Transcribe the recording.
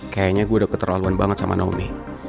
kayaknya gue udah keterlaluan banget sama naomi